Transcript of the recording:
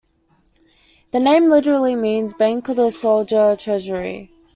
The name literally means "Bank of the Soldier Treasury".